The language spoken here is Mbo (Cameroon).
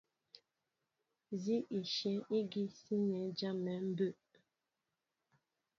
Sǐn í shyɛ̌ ígi síní jâm̀ɛ̌ mbə̌.